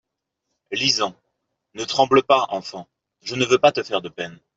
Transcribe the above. Lisant. "Ne tremble pas, enfant, je ne veux pas te faire de peine.